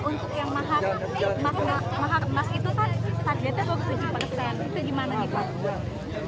untuk yang mahar emas itu kan targetnya tujuh persen itu gimana nih pak